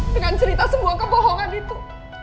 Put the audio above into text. dengan cerita semua kebohongan itu